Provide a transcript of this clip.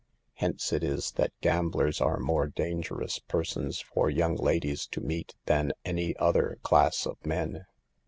Hence it is that gamblers are more dangerous persons for young ladies to meet than any other class of men.